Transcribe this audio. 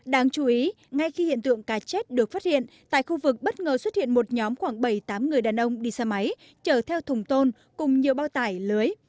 đáng chú ý ngay khi hiện tượng cá chết được phát hiện tại khu vực bất ngờ xuất hiện một nhóm khoảng bảy tám người đàn ông đi xe máy chở theo thùng tôn cùng nhiều bao tải lưới